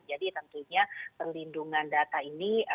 jadi tentunya perlindungan data ini